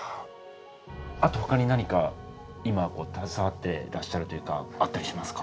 あとほかに何か今携わっていらっしゃるというかあったりしますか？